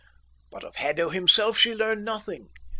But of Haddo himself she learned nothing.